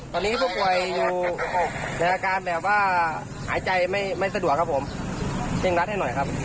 ตอนนี้ผู้ป่วยอยู่ในอาการแบบว่าหายใจไม่สะดวกครับผมเร่งรัดให้หน่อยครับ